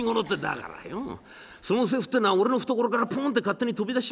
「だからよその財布ってえのは俺の懐からポンって勝手に飛び出しちまった財布だろ。